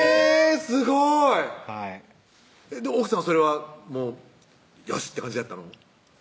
すごい！はい奥さまそれはもうよしって感じやったの？